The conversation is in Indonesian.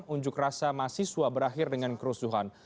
unjuk rasa mahasiswa berakhir dengan kerusuhan